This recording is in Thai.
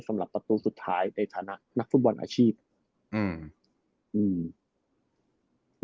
สำหรับประตูสุดท้ายในฐานะนักฟุตบอลอาชีพอืมอืม